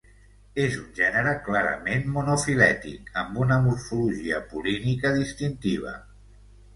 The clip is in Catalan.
És un gènere clarament monofilètic amb una morfologia pol·línica distintiva.